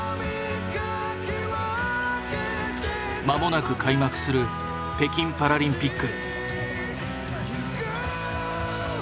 間もなく開幕する北京パラリンピック。